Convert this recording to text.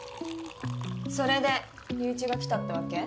それで友一が来たってわけ？